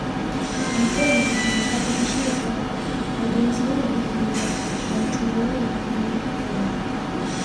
Napenda niwahakikishie kwamba majonzi yenu ni yetu na uchungu wenu ni wetu pia